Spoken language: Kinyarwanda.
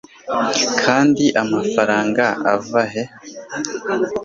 kandi amafaranga ava he